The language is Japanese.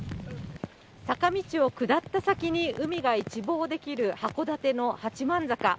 坂道を下った先に海が一望できる函館の八幡坂。